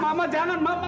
mama jangan ma